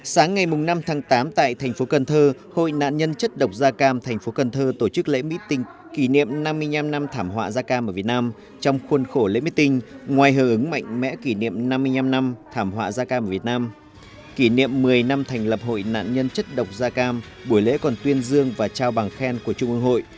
sáng ngày năm tháng tám tại thành phố cần thơ hội nạn nhân chất độc da cam thành phố cần thơ tổ chức lễ mít tình kỷ niệm năm mươi năm năm thảm họa da cam ở việt nam trong khuôn khổ lễ mít tình ngoài hợp ứng mạnh mẽ kỷ niệm năm mươi năm năm thảm họa da cam ở việt nam